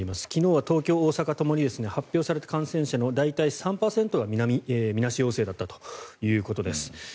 昨日は東京、大阪ともに発表された感染者の大体３％が、みなし陽性だったということです。